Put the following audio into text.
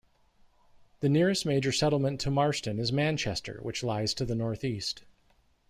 The nearest major settlement to Marston is Manchester, which lies to the northeast.